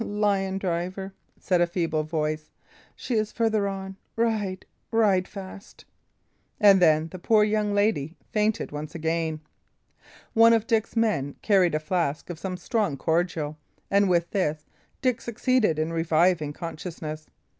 lion driver!" said a feeble voice. "She is farther on. Ride ride fast!" And then the poor young lady fainted once again. One of Dick's men carried a flask of some strong cordial, and with this Dick succeeded in reviving consciousness.